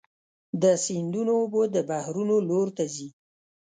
د سیندونو اوبه د بحرونو لور ته ځي.